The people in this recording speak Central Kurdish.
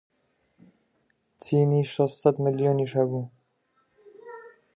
چینی شەشسەد ملیۆنیش هەبوو